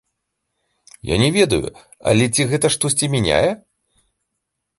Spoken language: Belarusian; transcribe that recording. Я ведаю, але ці гэта штосьці мяняе?